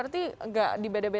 minta pengiriman jajakin